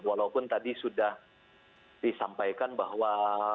walaupun tadi sudah disampaikan bahwa